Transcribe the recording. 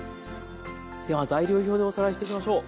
では材料表でおさらいしていきましょう。